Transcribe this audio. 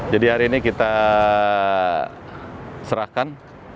jadi hari ini kita serahkan